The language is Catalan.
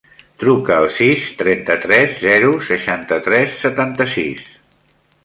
Truca al sis, trenta-tres, zero, seixanta-tres, setanta-sis.